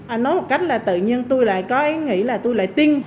anh nói một cách là tự nhiên tôi lại có nghĩ là tôi lại tin